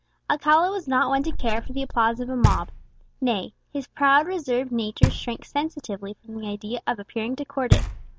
Alcala was not one to care for the applause of a mob; nay, his proud, reserved nature shrank sensitively from the idea of appearing to court it.